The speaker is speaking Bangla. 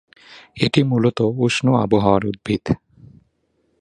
এটি মূলতঃ উষ্ণ আবহাওয়ার উদ্ভিদ।